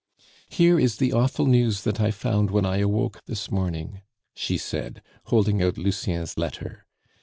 "Here is the awful news that I found when I awoke this morning," she said, holding out Lucien's letter.